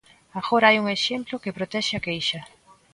Agora hai un exemplo que protexe a queixa.